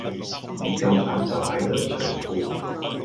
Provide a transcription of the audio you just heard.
你夠膽就喺度除褲